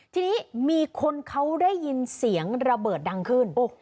ทีนี้มีคนเขาได้ยินเสียงระเบิดดังขึ้น